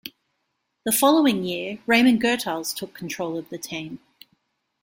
The following year, Raymond Goethals took control of the team.